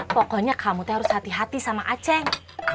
pokoknya kamu tuh harus hati hati sama aceh